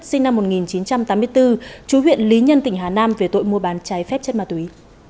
sinh năm một nghìn chín trăm tám mươi bốn chú huyện lý nhân tỉnh hà nam về tội mua bán trái phép chất ma túy